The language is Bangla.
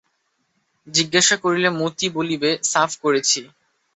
জিজ্ঞাসা করিলে মতি বলিবে, সাফ করেছি।